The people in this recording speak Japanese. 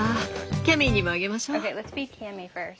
キャミーにもあげましょう。